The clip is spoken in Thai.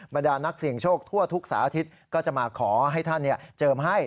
บรรดานักเสี่ยงโชคทั่วทุกสารอาทิตย์ก็จะมาขอให้ท่านเจิมให้